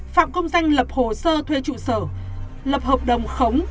phạm công danh lập hồ sơ thuê trụ sở lập hợp đồng khống